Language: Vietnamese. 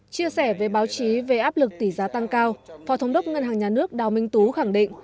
chia sẻ với báo chí về áp lực tỷ giá tăng cao phó thống đốc ngân hàng nhà nước đào minh tú khẳng định